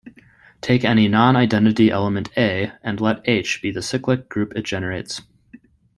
Take any non-identity element "a", and let "H" be the cyclic group it generates.